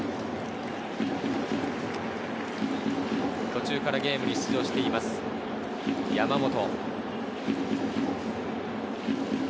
途中からゲームに出場しています、山本。